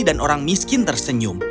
dan orang miskin tersenyum